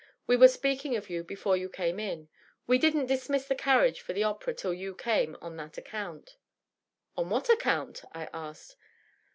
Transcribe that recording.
We were speaking of you before you came in. We didn't dis miss the carriage for the opera till you came, on that account." " On what account ?" I asked.